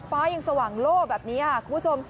ฟ้ายังสว่างโล่แบบนี้ค่ะคุณผู้ชม